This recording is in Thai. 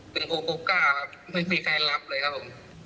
ถึงโคโก้ก้าไม่มีใครรับเลยครับผม